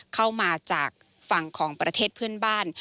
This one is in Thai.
เข้ามาจากฝั่งของประเทศเพื่อนบ้าน